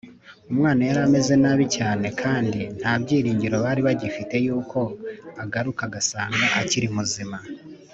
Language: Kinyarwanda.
Umwana yari ameze nabi cyane, kandi, nta byiringiro bari bagifite yuko agaruka agasanga akiri muzima